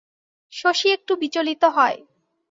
শশী একটু বিচলিত হয়।